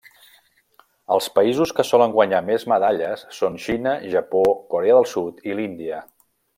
Els països que solen guanyar més medalles són Xina, Japó, Corea del Sud i l'Índia.